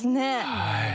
はい！